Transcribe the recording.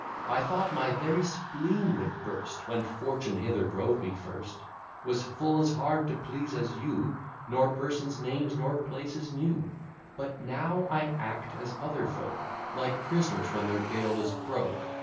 I thought my very spleen would burst, When fortune hither drove me first; Was full as hard to please as you, Nor persons' names nor places knew: But now I act as other folk, Like prisoners when their gaol is broke.